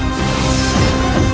kau tidak bisa menang